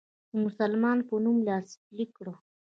د مسلمان په نوم لاسلیک کړ.